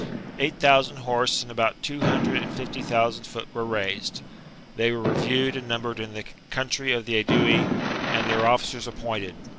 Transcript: Eight thousand horse and about two hundred and fifty thousand foot were raised. They were reviewed and num bered in the country of the Aedui, and their officers appointed.